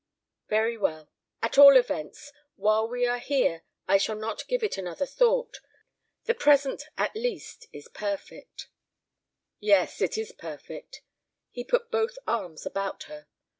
"Very well. At all events, while we are here, I shall not give it another thought. The present at least is perfect." "Yes, it is perfect!" He put both arms about her.